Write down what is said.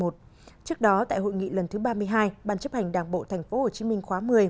trước đó tại hội nghị lần thứ ba mươi hai ban chấp hành đảng bộ tp hcm khóa một mươi